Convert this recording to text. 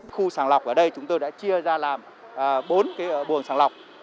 khu sàn lọc ở đây chúng tôi đã chia ra làm bốn cái buồng sàn lọc